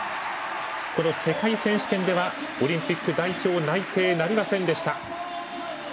この世界選手権ではオリンピック代表内定なりませんでした。